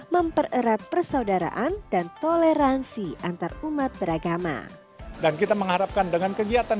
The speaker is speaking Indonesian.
mempererat persaudaraan dan toleransi antarumat beragama dan kita mengharapkan dengan kegiatan